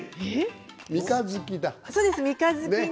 三日月が。